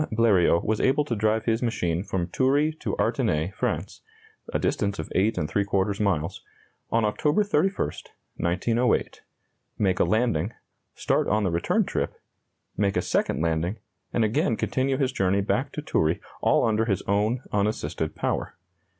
Bleriot was able to drive his machine from Toury to Artenay, France (a distance of 8¾ miles) on October 31, 1908, make a landing, start on the return trip, make a second landing, and again continue his journey back to Toury, all under his own unassisted power.